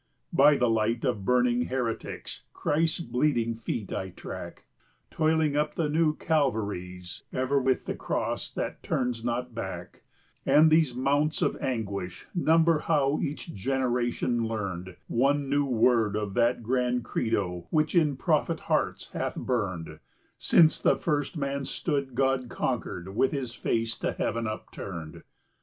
] By the light of burning heretics Christ's bleeding feet I track, Toiling up new Calvaries ever with the cross that turns not back, And these mounts of anguish number how each generation learned One new word of that grand Credo which in prophet hearts hath burned Since the first man stood God conquered with his face to heaven upturned.